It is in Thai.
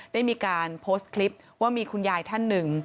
ได้มีการโพสต์คลิปว่ามีคุณยายท่านหนึ่ง